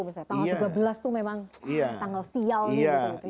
misalnya tanggal tiga belas itu memang tanggal sial